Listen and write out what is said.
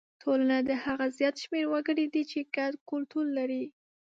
ټولنه هغه زیات شمېر وګړي دي چې ګډ کلتور لري.